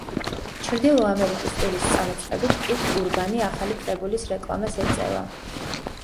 ჩრდილო ამერიკის ტურის წამოწყებით კით ურბანი ახალი კრებულის რეკლამას ეწევა.